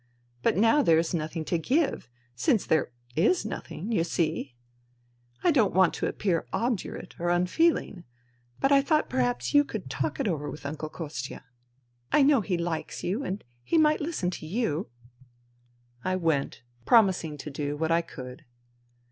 But now there is nothing to give ... since there is nothing, you see ? I don't want to appear obdurate or unfeeling ; but I thought perhaps you could talk it over with Uncle Kostia. 154 FUTILITY I know he likes you and he might Hsten to you." I went, promising to do what I could.